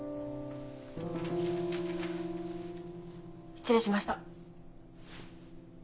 失礼しました。